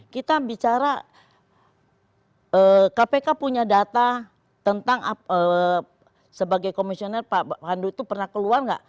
kita bicara kpk punya data tentang sebagai komisioner pak pandu itu pernah keluar nggak